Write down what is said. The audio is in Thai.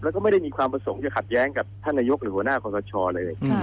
แล้วก็ไม่ได้มีความประสงค์จะขัดแย้งกับท่านนายกหรือหัวหน้าคอสชเลย